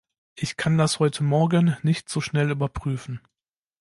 Ich kann das heute morgen nicht so schnell überprüfen.